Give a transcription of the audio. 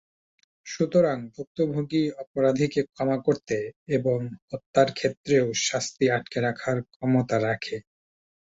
সুতরাং ভুক্তভোগী অপরাধীকে ক্ষমা করতে এবং হত্যার ক্ষেত্রেও শাস্তি আটকে রাখার ক্ষমতা রাখে।